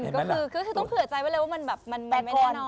ก็คือต้องเผื่อใจไว้เลยว่ามันแบบมันไม่แน่นอน